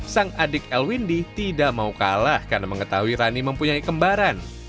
sang adik elwindi tidak mau kalah karena mengetahui rani mempunyai kembaran